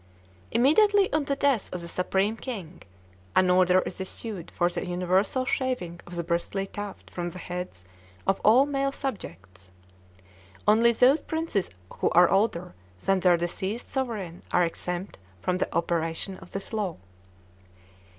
Immediately on the death of a Supreme King an order is issued for the universal shaving of the bristly tuft from the heads of all male subjects. Only those princes who are older than their deceased sovereign are exempt from the operation of this law.